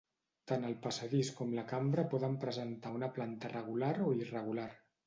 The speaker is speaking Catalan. Tant el passadís com la cambra poden presentar una planta regular o irregular.